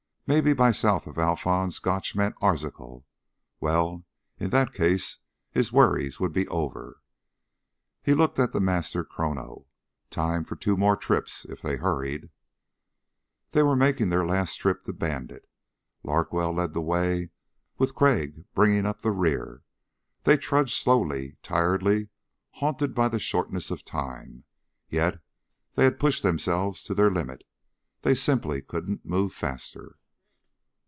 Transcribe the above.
Maybe by south of Alphons Gotch meant Arzachel. Well, in that case his worries would be over. He looked at the master chrono. Time for two more trips if they hurried. They were making their last trip to Bandit. Larkwell led the way with Crag bringing up the rear. They trudged slowly, tiredly, haunted by the shortness of time, yet they had pushed themselves to their limit. They simply couldn't move faster.